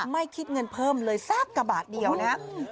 ไม่คิดเงินเพิ่มเลยสักกระบาทเดียวนะครับ